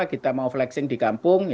kita mau flexing di kampung